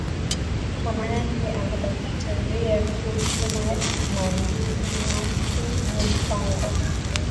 Mamayake anabakatariya ku chuma ma ndizi mwake mu mpango